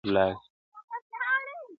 چي ملا شکرانه واخلي تأثیر ولاړ سي ..